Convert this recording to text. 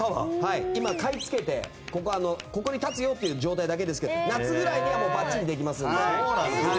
今、買い付けてここに建つよという状態ですけど夏ぐらいにはばっちりできますので。